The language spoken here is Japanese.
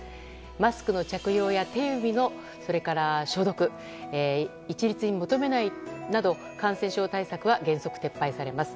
マスクの着用や手指の消毒を一律に求めないなど感染症対策は原則、撤廃されます。